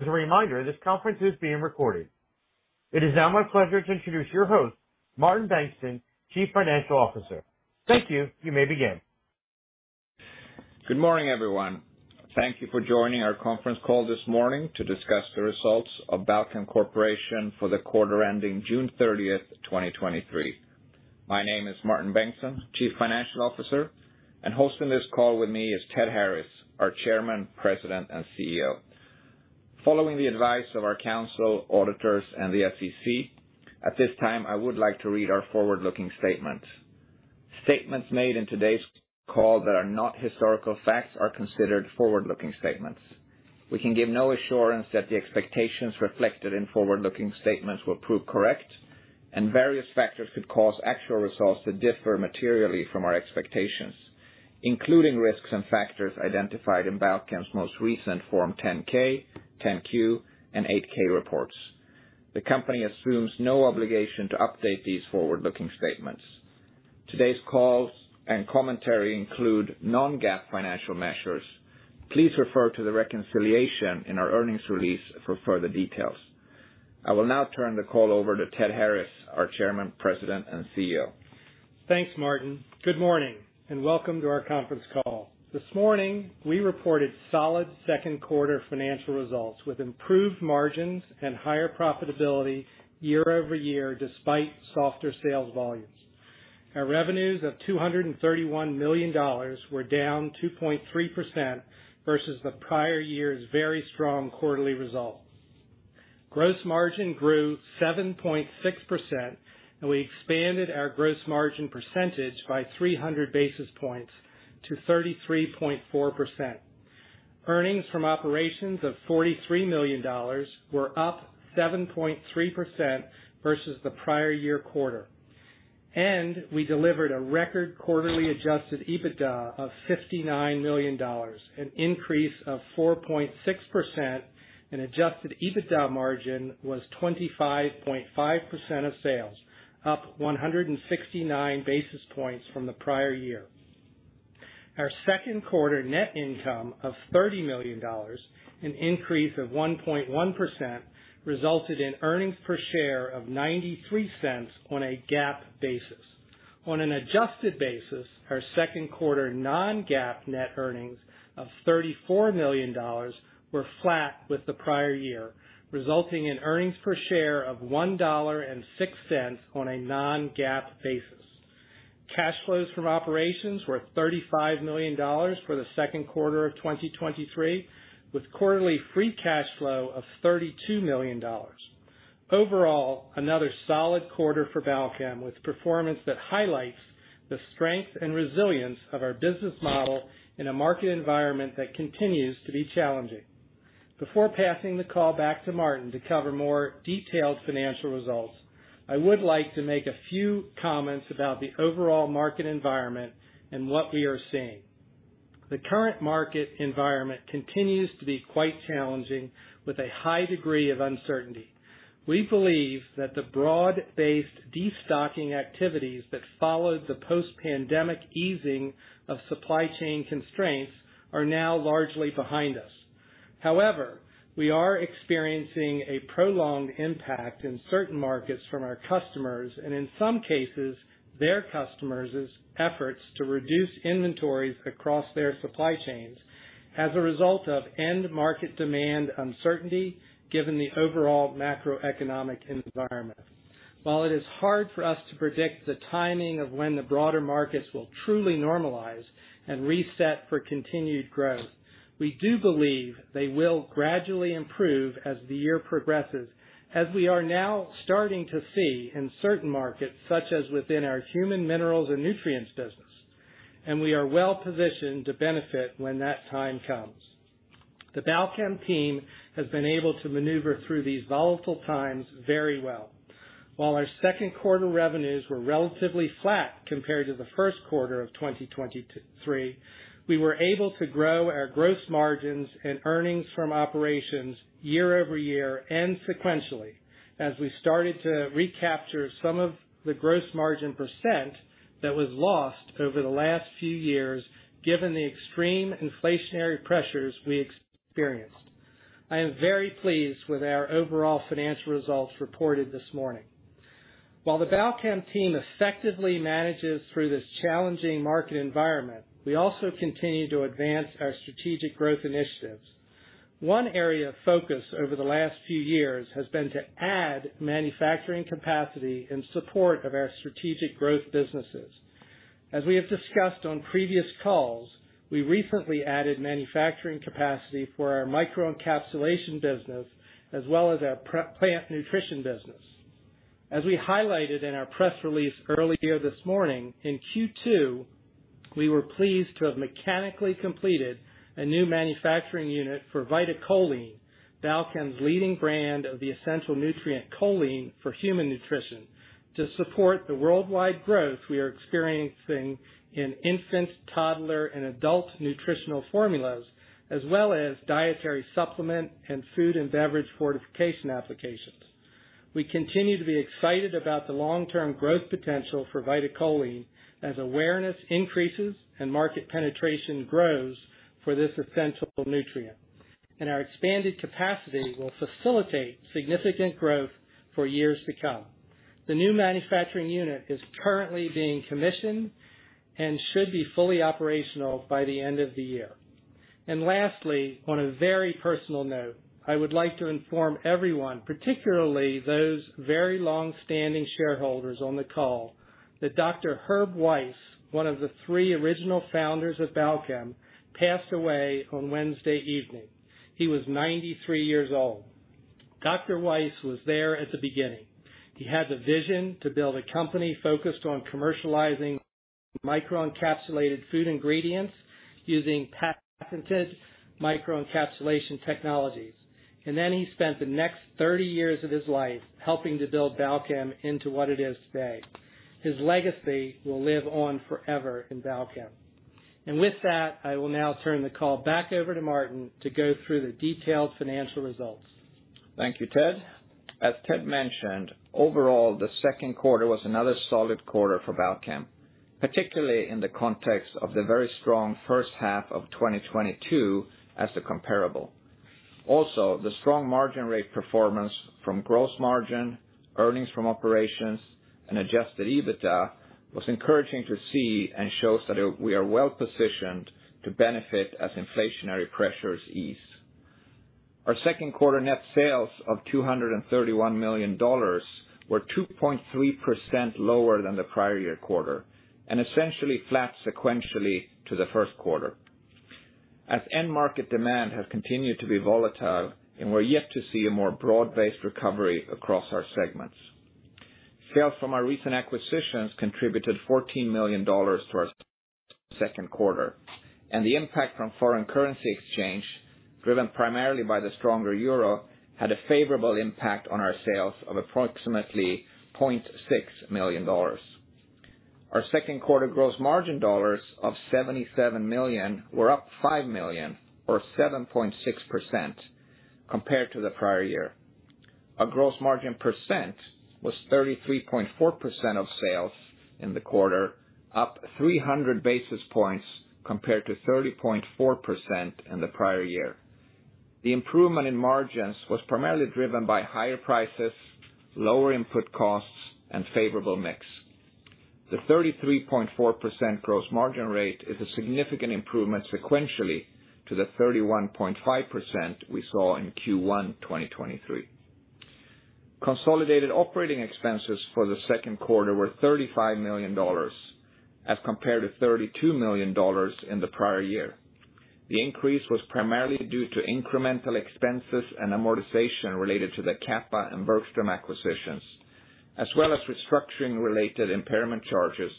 As a reminder, this conference is being recorded. It is now my pleasure to introduce your host, Martin Bengtsson, Chief Financial Officer. Thank you. You may begin. Good morning, everyone. Thank you for joining our conference call this morning to discuss The Results of Balchem Corporation For The Quarter Ending June 30th, 2023. My name is Martin Bengtsson, Chief Financial Officer, and hosting this call with me is Ted Harris, our Chairman, President, and CEO. Following the advice of our counsel, auditors, and the SEC, at this time, I would like to read our forward-looking statement. Statements made in today's call that are not historical facts are considered forward-looking statements. We can give no assurance that the expectations reflected in forward-looking statements will prove correct, and various factors could cause actual results to differ materially from our expectations, including risks and factors identified in Balchem's most recent Form 10-K, 10-Q, and 8-K reports. The company assumes no obligation to update these forward-looking statements. Today's calls and commentary include non-GAAP financial measures. Please refer to the reconciliation in our earnings release for further details. I will now turn the call over to Ted Harris, our Chairman, President, and CEO. Thanks, Martin. Good morning, and welcome to our conference call. This morning, we reported solid second quarter financial results with improved margins and higher profitability year-over-year, despite softer sales volumes. Our revenues of $231 million were down 2.3% versus the prior year's very strong quarterly results. Gross margin grew 7.6%, and we expanded our gross margin percentage by 300 basis points to 33.4%. Earnings from operations of $43 million were up 7.3% versus the prior year quarter. We delivered a record quarterly adjusted EBITDA of $59 million, an increase of 4.6% adjusted EBITDA margin was 25.5% of sales, up 169 basis points from the prior year. Our second quarter net income of $30 million, an increase of 1.1%, resulted in earnings per share of $0.93 on a GAAP basis. On an adjusted basis, our second quarter non-GAAP net earnings of $34 million were flat with the prior year, resulting in earnings per share of $1.06 on a non-GAAP basis. Cash flows from operations were $35 million for the second quarter of 2023, with quarterly free cash flow of $32 million. Overall, another solid quarter for Balchem, with performance that highlights the strength and resilience of our business model in a market environment that continues to be challenging. Before passing the call back to Martin to cover more detailed financial results, I would like to make a few comments about the overall market environment and what we are seeing. The current market environment continues to be quite challenging, with a high degree of uncertainty. We believe that the broad-based destocking activities that followed the post-pandemic easing of supply chain constraints are now largely behind us. However, we are experiencing a prolonged impact in certain markets from our customers and, in some cases, their customers' efforts to reduce inventories across their supply chains as a result of end market demand uncertainty, given the overall macroeconomic environment. While it is hard for us to predict the timing of when the broader markets will truly normalize and reset for continued growth, we do believe they will gradually improve as the year progresses, as we are now starting to see in certain markets, such as within our Human Minerals and Nutrients business, and we are well positioned to benefit when that time comes. The Balchem team has been able to maneuver through these volatile times very well. While our second quarter revenues were relatively flat compared to the first quarter of 2023, we were able to grow our gross margins and earnings from operations year-over-year and sequentially as we started to recapture some of the gross margin percent that was lost over the last few years, given the extreme inflationary pressures we experienced. I am very pleased with our overall financial results reported this morning. While the Balchem team effectively manages through this challenging market environment, we also continue to advance our strategic growth initiatives. One area of focus over the last few years has been to add manufacturing capacity in support of our strategic growth businesses. As we have discussed on previous calls, we recently added manufacturing capacity for our microencapsulation business as well as our plant nutrition business. As we highlighted in our press release earlier this morning, in Q2, we were pleased to have mechanically completed a new manufacturing unit for VitaCholine, Balchem's leading brand of the essential nutrient choline for human nutrition, to support the worldwide growth we are experiencing in infant, toddler, and adult nutritional formulas, as well as dietary supplement and food and beverage fortification applications. We continue to be excited about the long-term growth potential for VitaCholine as awareness increases and market penetration grows for this essential nutrient, and our expanded capacity will facilitate significant growth for years to come. The new manufacturing unit is currently being commissioned and should be fully operational by the end of the year. Lastly, on a very personal note, I would like to inform everyone, particularly those very long-standing shareholders on the call, that Dr. Herb Weiss, one of the three original founders of Balchem, passed away on Wednesday evening. He was 93 years old. Dr. Weiss was there at the beginning. He had the vision to build a company focused on commercializing microencapsulated food ingredients using patented microencapsulation technologies. Then he spent the next 30 years of his life helping to build Balchem into what it is today. His legacy will live on forever in Balchem. With that, I will now turn the call back over to Martin to go through the detailed financial results. Thank you, Ted. As Ted mentioned, overall, the second quarter was another solid quarter for Balchem, particularly in the context of the very strong first half of 2022 as the comparable. Also, the strong margin rate performance from gross margin, earnings from operations, and adjusted EBITDA was encouraging to see and shows that we are well positioned to benefit as inflationary pressures ease. Our second quarter net sales of $231 million were 2.3% lower than the prior year quarter, and essentially flat sequentially to the first quarter, as end market demand has continued to be volatile, and we're yet to see a more broad-based recovery across our segments. Sales from our recent acquisitions contributed $14 million to our second quarter, and the impact from foreign currency exchange, driven primarily by the stronger euro, had a favorable impact on our sales of approximately $0.6 million. Our second quarter gross margin dollars of $77 million were up $5 million, or 7.6%, compared to the prior year. Our gross margin % was 33.4% of sales in the quarter, up 300 basis points compared to 30.4% in the prior year. The improvement in margins was primarily driven by higher prices, lower input costs, and favorable mix. The 33.4% gross margin rate is a significant improvement sequentially to the 31.5% we saw in Q1 2023. Consolidated operating expenses for the second quarter were $35 million, as compared to $32 million in the prior year. The increase was primarily due to incremental expenses and amortization related to the Kappa and Bergstrom acquisitions, as well as restructuring-related impairment charges,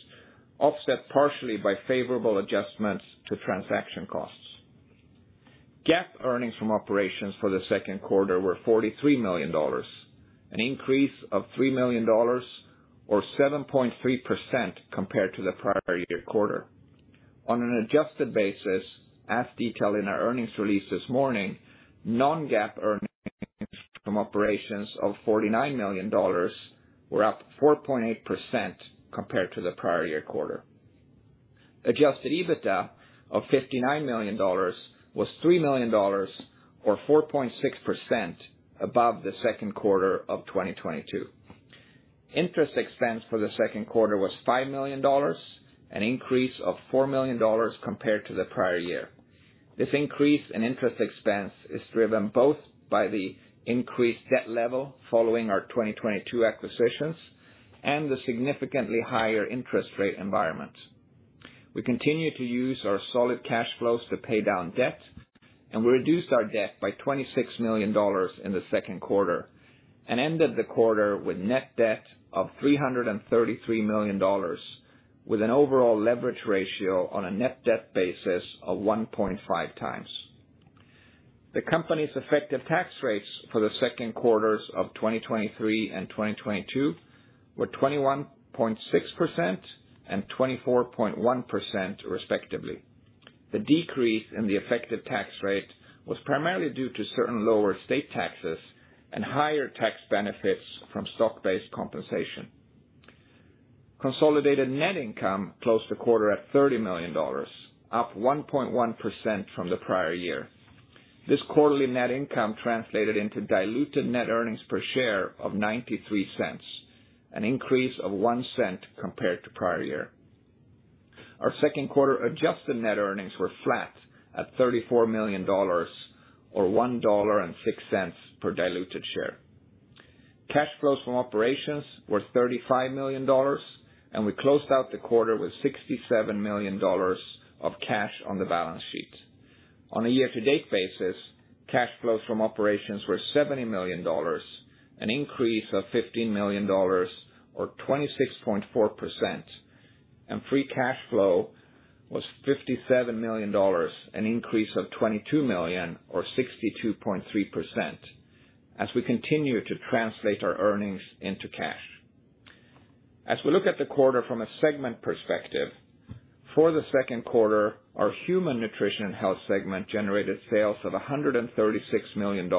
offset partially by favorable adjustments to transaction costs. GAAP earnings from operations for the second quarter were $43 million, an increase of $3 million, or 7.3%, compared to the prior year quarter. On an adjusted basis, as detailed in our earnings release this morning, non-GAAP earnings from operations of $49 million were up 4.8% compared to the prior year quarter. Adjusted EBITDA of $59 million was $3 million, or 4.6% above the second quarter of 2022. Interest expense for the second quarter was $5 million, an increase of $4 million compared to the prior year. This increase in interest expense is driven both by the increased debt level following our 2022 acquisitions and the significantly higher interest rate environment. We continue to use our solid cash flows to pay down debt, and we reduced our debt by $26 million in the second quarter and ended the quarter with net debt of $333 million, with an overall leverage ratio on a net debt basis of 1.5x. The company's effective tax rates for the second quarters of 2023 and 2022 were 21.6% and 24.1%, respectively. The decrease in the effective tax rate was primarily due to certain lower state taxes and higher tax benefits from stock-based compensation. Consolidated net income closed the quarter at $30 million, up 1.1% from the prior year. This quarterly net income translated into diluted net earnings per share of $0.93, an increase of $0.01 compared to prior year. Our second quarter adjusted net earnings were flat at $34 million, or $1.06 per diluted share. Cash flows from operations were $35 million, and we closed out the quarter with $67 million of cash on the balance sheet. On a year-to-date basis, cash flows from operations were $70 million, an increase of $15 million, or 26.4%, and free cash flow was $57 million, an increase of $22 million, or 62.3%, as we continue to translate our earnings into cash. We look at the quarter from a segment perspective, for the second quarter, our Human Nutrition & Health segment generated sales of $136 million,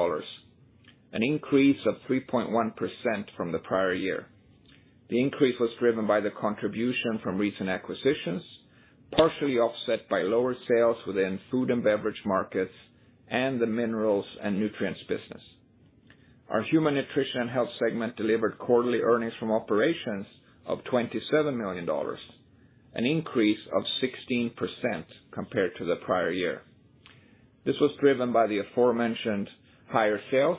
an increase of 3.1% from the prior year. The increase was driven by the contribution from recent acquisitions, partially offset by lower sales within food and beverage markets and the Minerals and Nutrients business. Our Human Nutrition & Health segment delivered quarterly earnings from operations of $27 million, an increase of 16% compared to the prior year. This was driven by the aforementioned higher sales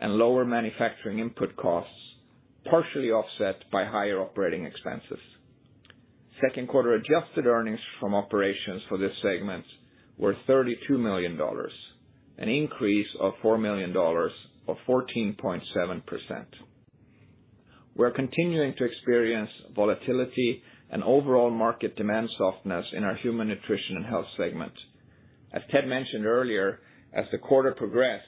and lower manufacturing input costs, partially offset by higher operating expenses. Second quarter adjusted earnings from operations for this segment were $32 million, an increase of $4 million, or 14.7%. We're continuing to experience volatility and overall market demand softness in our Human Nutrition & Health segment. As Ted mentioned earlier, as the quarter progressed,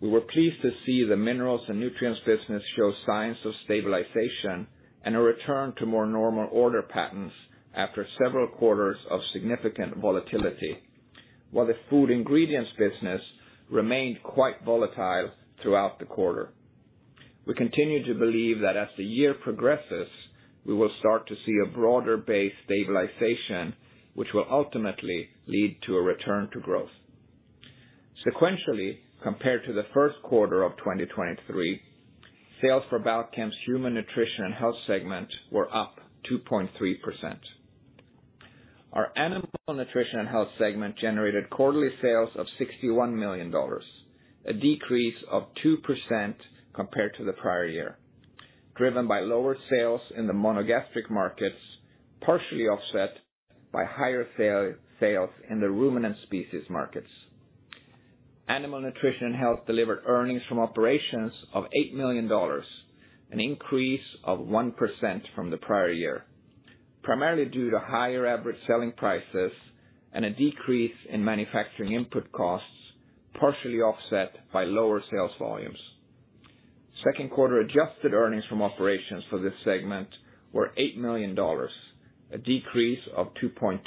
we were pleased to see the Minerals and Nutrients business show signs of stabilization and a return to more normal order patterns after several quarters of significant volatility, while the Food Ingredients business remained quite volatile throughout the quarter. We continue to believe that as the year progresses, we will start to see a broader base stabilization, which will ultimately lead to a return to growth. Sequentially, compared to the first quarter of 2023, sales for Balchem's Human Nutrition & Health segment were up 2.3%. Our Animal Nutrition & Health segment generated quarterly sales of $61 million, a decrease of 2% compared to the prior year, driven by lower sales in the monogastric markets, partially offset by higher sale, sales in the ruminant species markets. Animal Nutrition & Health delivered earnings from operations of $8 million, an increase of 1% from the prior year, primarily due to higher average selling prices and a decrease in manufacturing input costs, partially offset by lower sales volumes. Second quarter adjusted earnings from operations for this segment were $8 million, a decrease of 2.2%.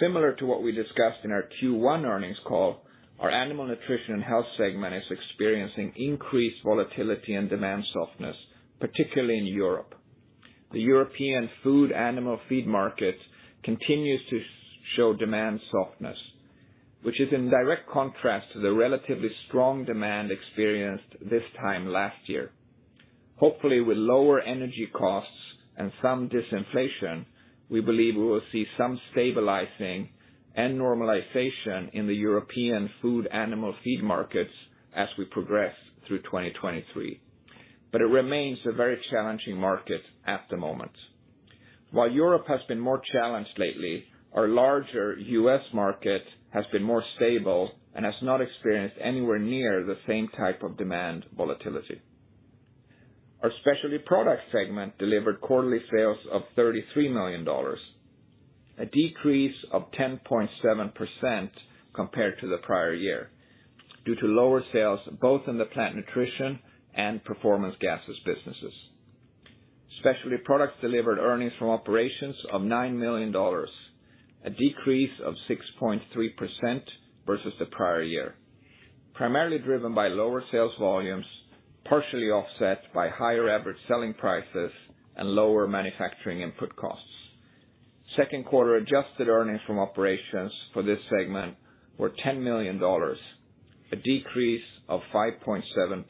Similar to what we discussed in our Q1 earnings call, our Animal Nutrition & Health segment is experiencing increased volatility and demand softness, particularly in Europe. The European Food Animal Feed Market continues to show demand softness, which is in direct contrast to the relatively strong demand experienced this time last year. Hopefully, with lower energy costs and some disinflation, we believe we will see some stabilizing and normalization in the European food animal feed markets as we progress through 2023. It remains a very challenging market at the moment. While Europe has been more challenged lately, our larger US market has been more stable and has not experienced anywhere near the same type of demand volatility. Our specialty product segment delivered quarterly sales of $33 million, a decrease of 10.7% compared to the prior year, due to lower sales both in the plant nutrition and performance gases businesses. Specialty products delivered earnings from operations of $9 million, a decrease of 6.3% versus the prior year, primarily driven by lower sales volumes, partially offset by higher average selling prices and lower manufacturing input costs. Second quarter adjusted earnings from operations for this segment were $10 million, a decrease of 5.7%.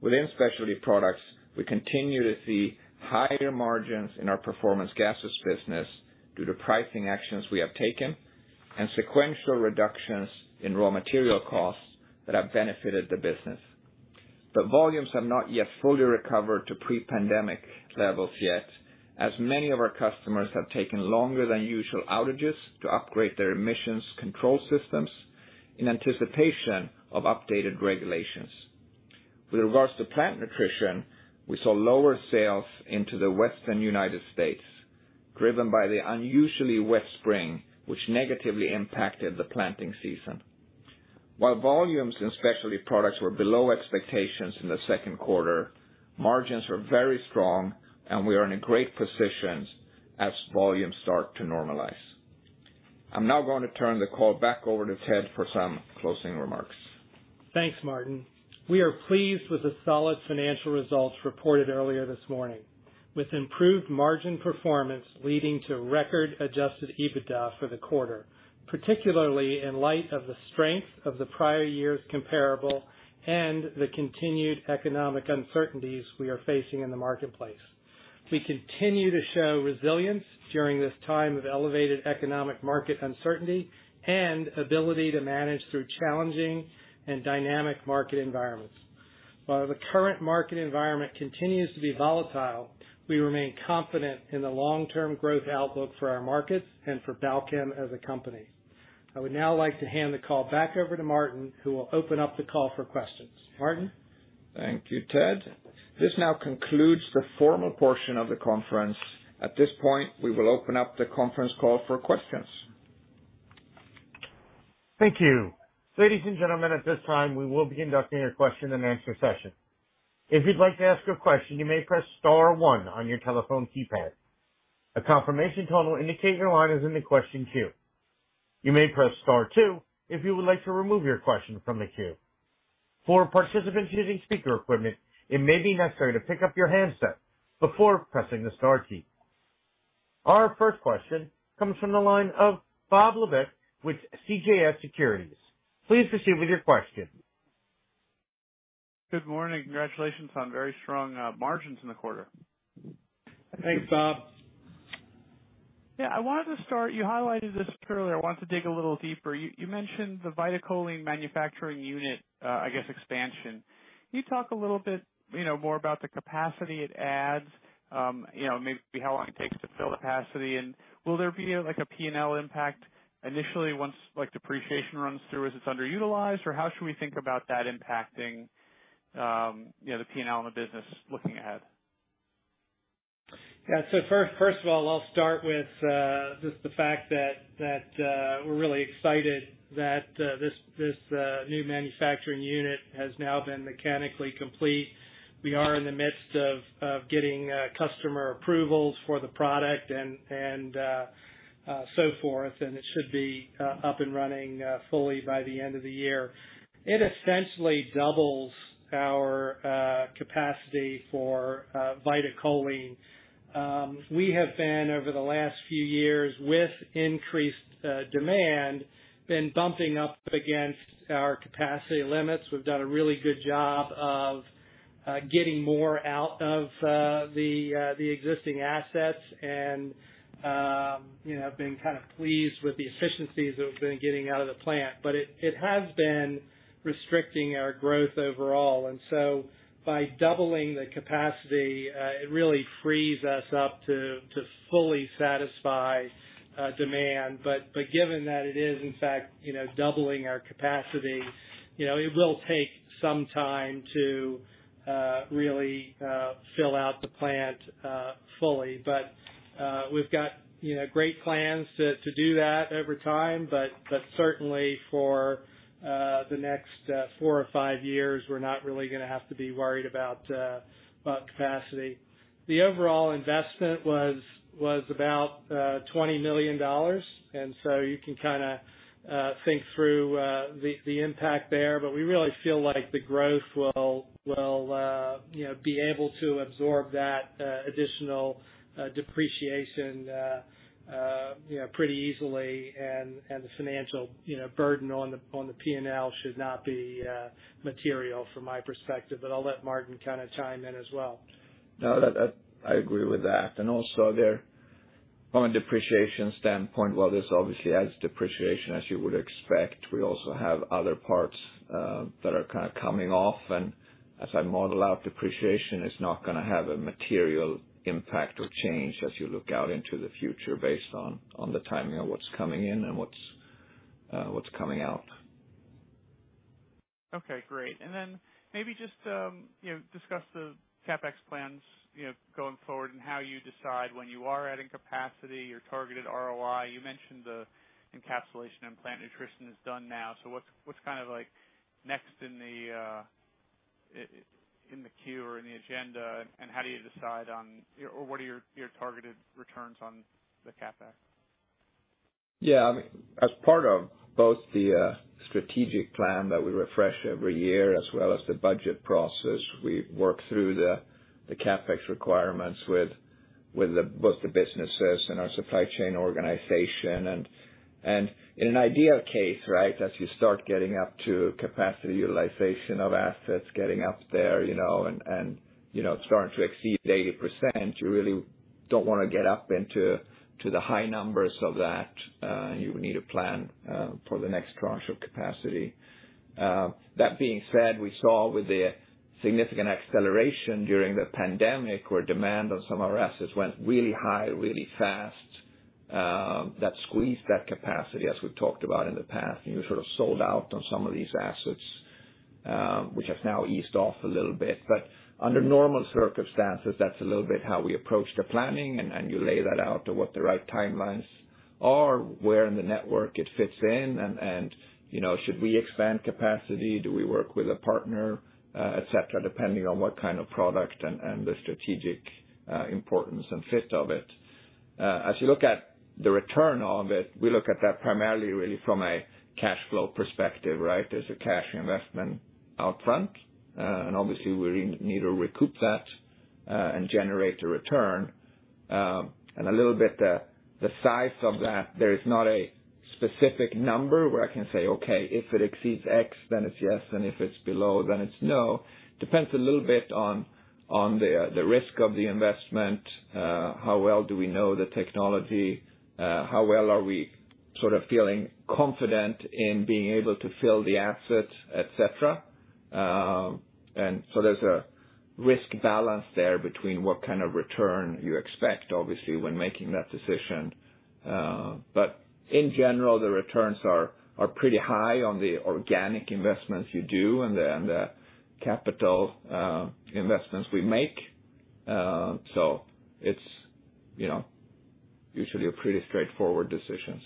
Within specialty products, we continue to see higher margins in our performance gases business due to pricing actions we have taken and sequential reductions in raw material costs that have benefited the business. Volumes have not yet fully recovered to pre-pandemic levels yet, as many of our customers have taken longer than usual outages to upgrade their emissions control systems in anticipation of updated regulations. With regards to plant nutrition, we saw lower sales into the Western United States, driven by the unusually wet spring, which negatively impacted the planting season. While volumes in specialty products were below expectations in the second quarter, margins were very strong and we are in a great position as volumes start to normalize. I'm now going to turn the call back over to Ted for some closing remarks. Thanks, Martin. We are pleased with the solid financial results reported earlier this morning, with improved margin performance leading to record adjusted EBITDA for the quarter, particularly in light of the strength of the prior year's comparable and the continued economic uncertainties we are facing in the marketplace. We continue to show resilience during this time of elevated economic market uncertainty and ability to manage through challenging and dynamic market environments. While the current market environment continues to be volatile, we remain confident in the long-term growth outlook for our markets and for Balchem as a company. I would now like to hand the call back over to Martin, who will open up the call for questions. Martin? Thank you, Ted. This now concludes the formal portion of the conference. At this point, we will open up the conference call for questions. Thank you. Ladies and gentlemen, at this time, we will be conducting a question-and-answer session. If you'd like to ask a question, you may press star one on your telephone keypad. A confirmation tone will indicate your line is in the question queue. You may press star two if you would like to remove your question from the queue. For participants using speaker equipment, it may be necessary to pick up your handset before pressing the star key. Our first question comes from the line of Bob Labick with CJS Securities. Please proceed with your question. Good morning. Congratulations on very strong margins in the quarter. Thanks, Bob. Yeah, I wanted to start. You highlighted this earlier. I wanted to dig a little deeper. You, you mentioned the VitaCholine manufacturing unit, I guess, expansion. Can you talk a little bit, you know, more about the capacity it adds, you know, maybe how long it takes to fill capacity? Will there be, like, a P&L impact initially, once, like, depreciation runs through as it's underutilized? Or how should we think about that impacting, you know, the P&L in the business looking ahead? First, first of all, I'll start with just the fact that, that we're really excited that this, this new manufacturing unit has now been mechanically complete. We are in the midst of, of getting customer approvals for the product and, and so forth, and it should be up and running fully by the end of the year. It essentially doubles our capacity for VitaCholine. We have been, over the last few years, with increased demand, been bumping up against our capacity limits. We've done a really good job of getting more out of the, the existing assets and, you know, have been kind of pleased with the efficiencies that we've been getting out of the plant. It has been restricting our growth overall. By doubling the capacity, it really frees us up to fully satisfy demand. Given that it is in fact, you know, doubling our capacity, you know, it will take some time to really fill out the plant fully. We've got, you know, great plans to do that over time, but certainly for the next four or five years, we're not really gonna have to be worried about capacity. The overall investment was about $20 million. You can kinda think through the impact there. We really feel like the growth will, you know, be able to absorb that additional depreciation, you know, pretty easily. The financial, you know, burden on the, on the P&L should not be material from my perspective, but I'll let Martin kind of chime in as well. No, that, I, I agree with that. Also there, from a depreciation standpoint, while this obviously adds depreciation as you would expect, we also have other parts that are kind of coming off. As I model out, depreciation is not gonna have a material impact or change as you look out into the future based on, on the timing of what's coming in and what's coming out. Okay, great. Then maybe just, you know, discuss the CapEx plans, you know, going forward and how you decide when you are adding capacity, your targeted ROI. You mentioned the encapsulation and plant nutrition is done now, so what's, what's kind of like next in the queue or in the agenda, and how do you decide on... Or, what are your, your targeted returns on the CapEx? Yeah, I mean, as part of both the strategic plan that we refresh every year as well as the budget process, we work through the CapEx requirements with both the businesses and our supply chain organization. In an ideal case, right, as you start getting up to capacity utilization of assets, getting up there, you know, and, you know, starting to exceed 80%, you really don't want to get up into the high numbers of that. You would need a plan for the next tranche of capacity. That being said, we saw with the significant acceleration during the pandemic, where demand on some of our assets went really high, really fast, that squeezed that capacity, as we talked about in the past, and we sort of sold out on some of these assets, which have now eased off a little bit. But under normal circumstances, that's a little bit how we approach the planning, and, and you lay that out to what the right timelines are, where in the network it fits in, and, and, you know, should we expand capacity? Do we work with a partner? Et cetera, depending on what kind of product and, and the strategic importance and fit of it. As you look at the return on it, we look at that primarily really from a cash flow perspective, right? There's a cash investment out front, obviously we need to recoup that, and generate a return. A little bit, the, the size of that, there is not a specific number where I can say, "Okay, if it exceeds X, then it's yes, and if it's below, then it's no." Depends a little bit on, on the, the risk of the investment, how well do we know the technology? How well are we sort of feeling confident in being able to fill the assets, et cetera. There's a risk balance there between what kind of return you expect, obviously, when making that decision. In general, the returns are, are pretty high on the organic investments you do and the, and the capital, investments we make. It's you know, usually a pretty straightforward decisions.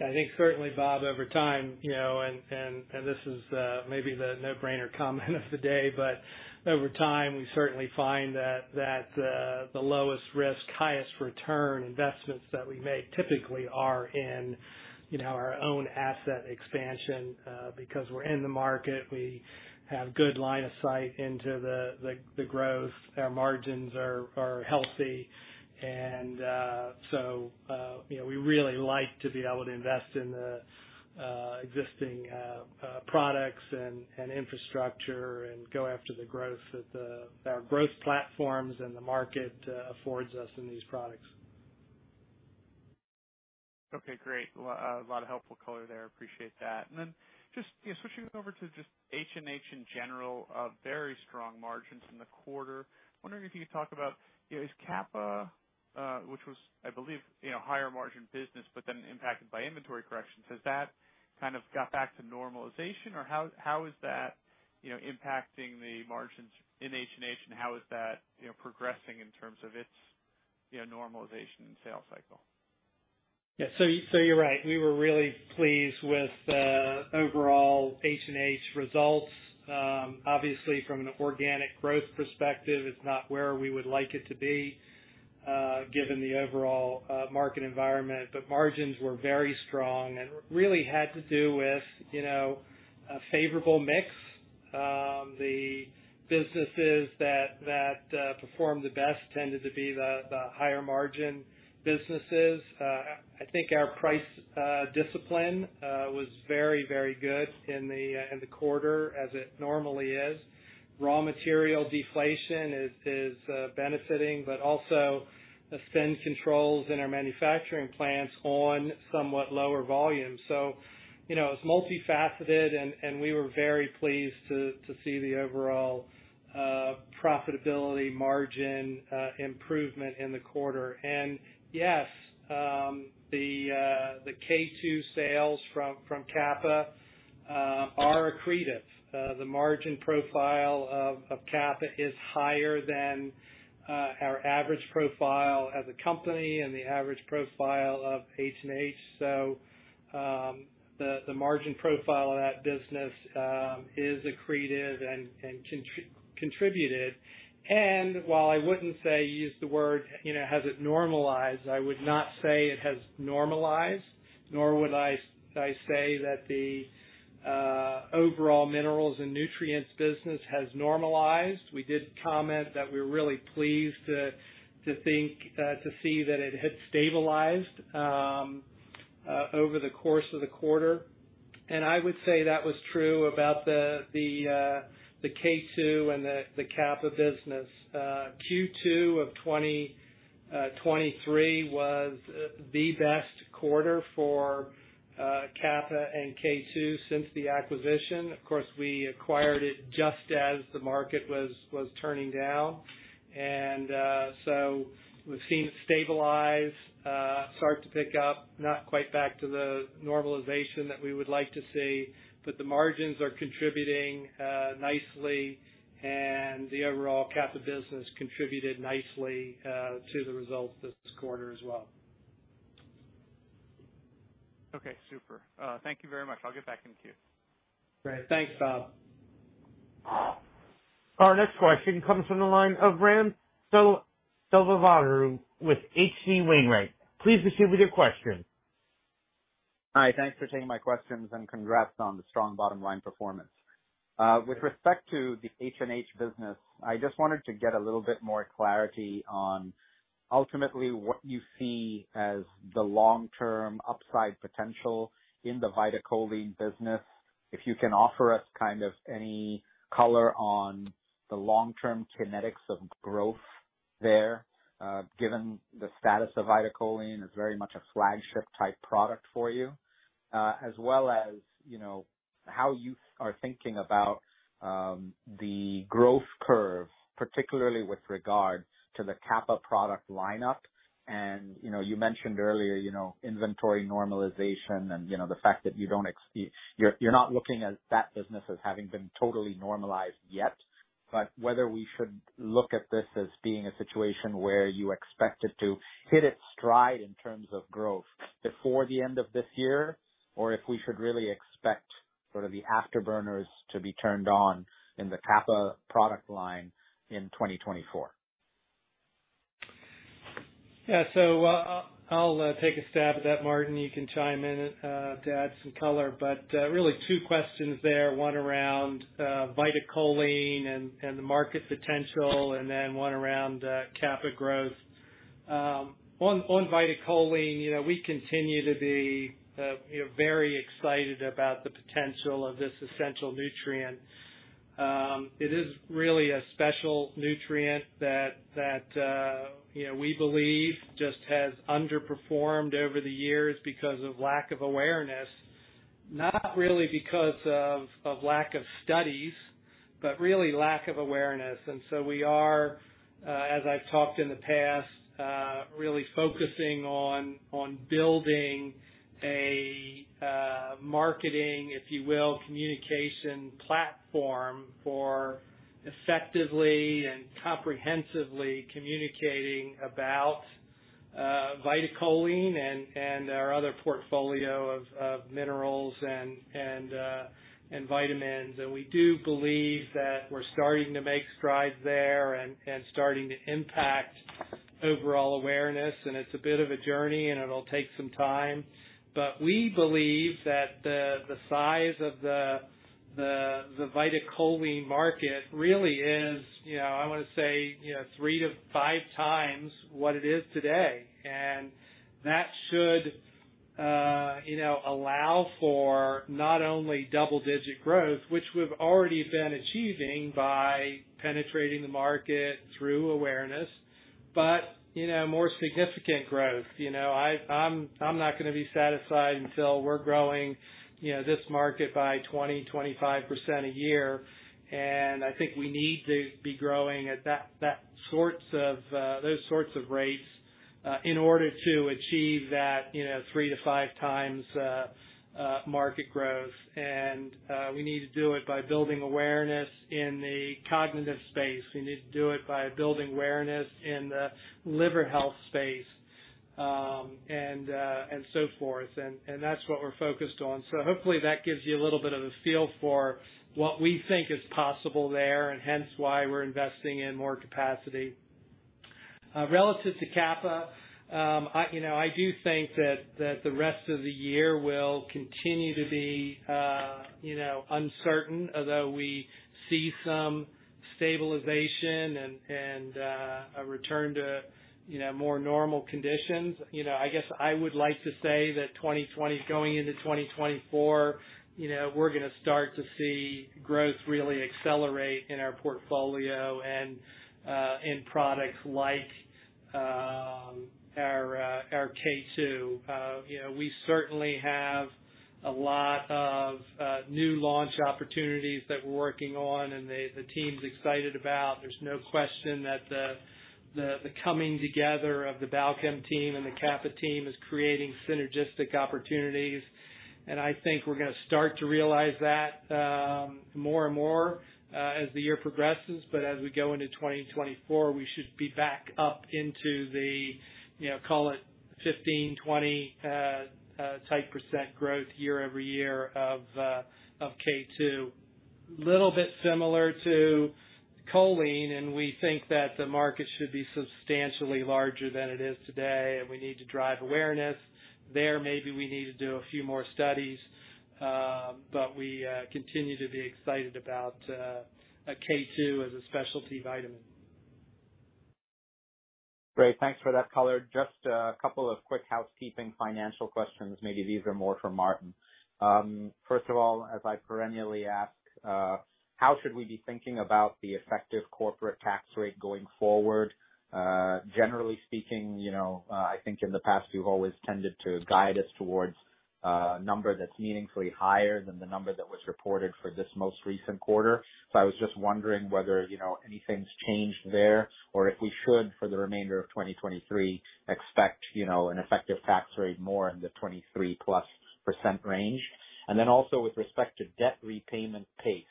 I think certainly, Bob, over time, you know, and, and, and this is, maybe the no-brainer comment of the day, but over time, we certainly find that, that, the lowest risk, highest return investments that we make typically are in, you know, our own asset expansion, because we're in the market, we have good line of sight into the, the, the growth. Our margins are, are healthy. So, you know, we really like to be able to invest in the existing products and infrastructure and go after the growth that our growth platforms and the market affords us in these products. Okay, great. A lot of helpful color there. Appreciate that. Then just, yeah, switching over to just H&H in general, a very strong margins in the quarter. I'm wondering if you could talk about, is Kappa, which was, I believe, you know, higher margin business, but then impacted by inventory corrections. Has that kind of got back to normalization, or how, how is that, you know, impacting the margins in H&H, and how is that, you know, progressing in terms of its, you know, normalization and sales cycle? Yeah. So you're right. We were really pleased with the overall H&H results. Obviously, from an organic growth perspective, it's not where we would like it to be, given the overall market environment. Margins were very strong and really had to do with, you know, a favorable mix. The businesses that, that performed the best tended to be the higher margin businesses. I think our price discipline was very, very good in the quarter, as it normally is. Raw material deflation is, is benefiting, but also the spend controls in our manufacturing plants on somewhat lower volumes. You know, it's multifaceted and, and we were very pleased to, to see the overall profitability margin improvement in the quarter. Yes, the K2 sales from, from Kappa are accretive. The margin profile of Kappa is higher than our average profile as a company and the average profile of H&H. The margin profile of that business is accretive and contributed. While I wouldn't say use the word, you know, has it normalized, I would not say it has normalized, nor would I say that the overall Minerals and Nutrients business has normalized. We did comment that we're really pleased to think, to see that it had stabilized over the course of the quarter. I would say that was true about the K2 and the Kappa business. Q2 of 2023 was the best quarter for Kappa and K2 since the acquisition. Of course, we acquired it just as the market was, was turning down. We've seen it stabilize, start to pick up, not quite back to the normalization that we would like to see, but the margins are contributing nicely, and the overall Kappa business contributed nicely to the results this quarter as well. Okay. Super. Thank you very much. I'll get back in queue. Great. Thanks, Bob. Our next question comes from the line of Ram Selvaraju with H.C. Wainwright. Please proceed with your question. Hi, thanks for taking my questions, and congrats on the strong bottom line performance. With respect to the H&H business, I just wanted to get a little bit more clarity on ultimately what you see as the long-term upside potential in the VitaCholine business. If you can offer us kind of any color on the long-term kinetics of growth there, given the status of VitaCholine, is very much a flagship type product for you. As well as, you know, how you are thinking about the growth curve, particularly with regard to the Kappa product lineup. You know, you mentioned earlier, you know, inventory normalization and, you know, the fact that you don't you're, you're not looking at that business as having been totally normalized yet. Whether we should look at this as being a situation where you expect it to hit its stride in terms of growth before the end of this year, or if we should really expect sort of the afterburners to be turned on in the Kappa product line in 2024. Yeah. I'll take a stab at that, Martin. You can chime in to add some color, but really two questions there. One around VitaCholine, and the market potential, and then one around Kappa growth. On VitaCholine, you know, we continue to be, you know, very excited about the potential of this essential nutrient. It is really a special nutrient that, that, you know, we believe just has underperformed over the years because of lack of awareness, not really because of lack of studies, but really lack of awareness. So we are, as I've talked in the past, really focusing on building a marketing, if you will, communication platform for effectively and comprehensively communicating about VitaCholine and our other portfolio of minerals and vitamins. We do believe that we're starting to make strides there and starting to impact overall awareness. It's a bit of a journey, and it'll take some time, but we believe that the size of the VitaCholine market really is, you know, I want to say, you know, three to five times what it is today. And that should, you know, allow for not only double-digit growth, which we've already been achieving by penetrating the market through awareness, but, you know, more significant growth. You know, I'm not going to be satisfied until we're growing, you know, this market by 20-25% a year, and I think we need to be growing at that sorts of, those sorts of rates, in order to achieve that, you know, three to five times market growth. We need to do it by building awareness in the cognitive space. We need to do it by building awareness in the liver health space, and so forth. That's what we're focused on. Hopefully that gives you a little bit of a feel for what we think is possible there and hence why we're investing in more capacity. Relative to Kappa, I, you know, I do think that, that the rest of the year will continue to be, you know, uncertain, although we see some stabilization and a return to, you know, more normal conditions. I guess I would like to say that going into 2024, you know, we're going to start to see growth really accelerate in our portfolio and in products like our K2. you know, we certainly have a lot of new launch opportunities that we're working on, and the team's excited about. There's no question that the coming together of the Balchem team and the Kappa team is creating synergistic opportunities, and I think we're going to start to realize that more and more as the year progresses. As we go into 2024, we should be back up into the, you know, call it 15%-20% type growth year-over-year of K2. Little bit similar to choline, and we think that the market should be substantially larger than it is today, and we need to drive awareness there. Maybe we need to do a few more studies, but we continue to be excited about K2 as a specialty vitamin. Great. Thanks for that color. Just a couple of quick housekeeping financial questions. Maybe these are more for Martin. First of all, as I perennially ask, how should we be thinking about the effective corporate tax rate going forward? Generally speaking, you know, I think in the past, you've always tended to guide us towards a number that's meaningfully higher than the number that was reported for this most recent quarter. I was just wondering whether, you know, anything's changed there, or if we should, for the remainder of 2023, expect, you know, an effective tax rate more in the 23%+ range. Then also, with respect to debt repayment pace,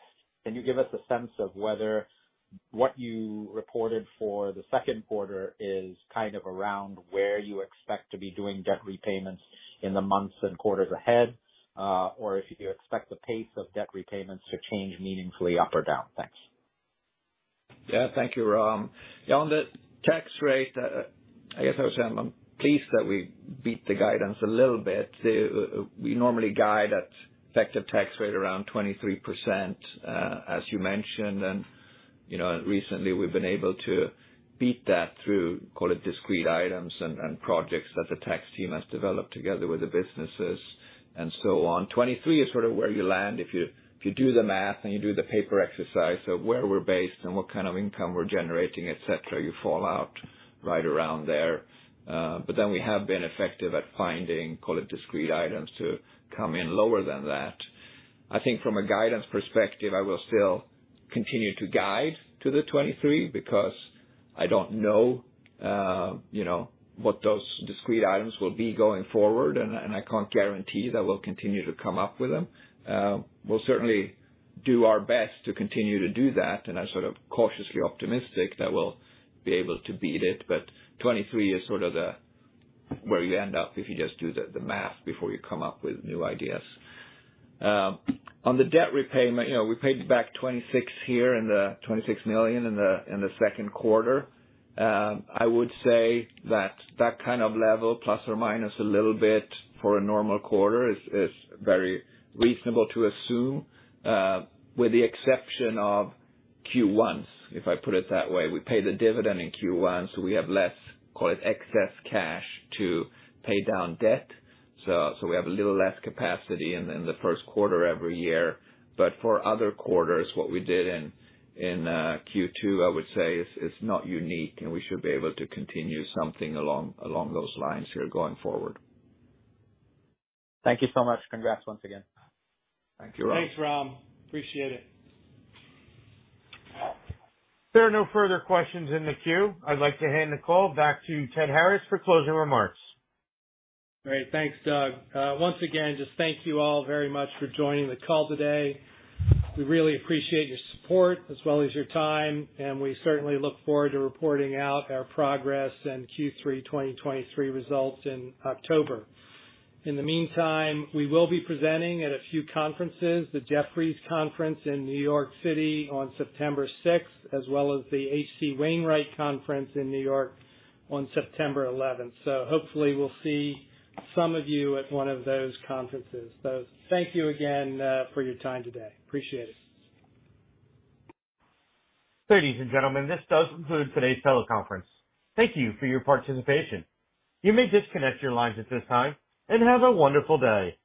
can you give us a sense of whether what you reported for the second quarter is kind of around where you expect to be doing debt repayments in the months and quarters ahead, or if you expect the pace of debt repayments to change meaningfully up or down? Thanks. Yeah. Thank you, Ram. Yeah, on the tax rate, I guess I would say I'm, I'm pleased that we beat the guidance a little bit. We normally guide at effective tax rate around 23%, as you mentioned, and, you know, recently we've been able to beat that through, call it, discrete items and, and projects that the tax team has developed together with the businesses and so on. 23% is sort of where you land if you, if you do the math and you do the paper exercise of where we're based and what kind of income we're generating, et cetera, you fall out right around there. We have been effective at finding, call it, discrete items to come in lower than that. I think from a guidance perspective, I will still continue to guide to the 23%, because I don't know, you know, what those discrete items will be going forward, and I can't guarantee that we'll continue to come up with them. We'll certainly do our best to continue to do that, and I'm sort of cautiously optimistic that we'll be able to beat it. 23% is sort of the where you end up if you just do the math before you come up with new ideas. On the debt repayment, you know, we paid back $26 million in the second quarter. I would say that that kind of level, plus or minus a little bit for a normal quarter, is, is very reasonable to assume, with the exception of Q1s, if I put it that way. We pay the dividend in Q1s, so we have less, call it, excess cash to pay down debt. So we have a little less capacity in, in the first quarter every year. For other quarters, what we did in, in Q2, I would say, is, is not unique, and we should be able to continue something along, along those lines here going forward. Thank you so much. Congrats once again. Thank you, Ram. Thanks, Ram. Appreciate it. There are no further questions in the queue. I'd like to hand the call back to Ted Harris for closing remarks. Great. Thanks, Doug. Once again, just thank you all very much for joining the call today. We really appreciate your support as well as your time, and we certainly look forward to reporting out our progress and Q3 2023 results in October. In the meantime, we will be presenting at a few conferences, the Jefferies Conference in New York City on September 6, as well as the H.C. Wainwright Conference in New York on September 11. Hopefully we'll see some of you at one of those conferences. Thank you again for your time today. Appreciate it. Ladies and gentlemen, this does conclude today's teleconference. Thank you for your participation. You may disconnect your lines at this time and have a wonderful day.